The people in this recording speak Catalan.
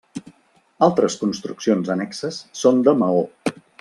Altres construccions annexes són de maó.